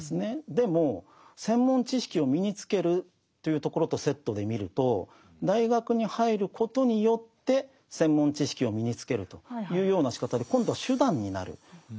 でも専門知識を身につけるというところとセットで見ると大学に入ることによって専門知識を身につけるというようなしかたで今度は手段になるわけです。